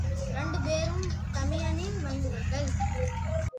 இரண்டு பேரும் தமையனின் மைந்தர்கள்.